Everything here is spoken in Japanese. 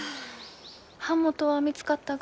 版元は見つかったが？